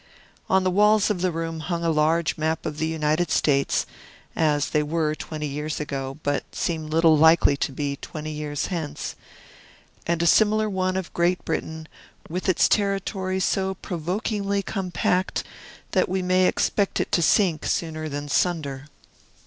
On the walls of the room hung a large map of the United States (as they were, twenty years ago, but seem little likely to be, twenty years hence), and a similar one of Great Britain, with its territory so provokingly compact, that we may expect it to sink sooner than sunder.